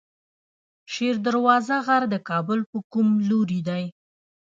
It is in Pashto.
شیر دروازه غر د کابل په کوم لوري دی؟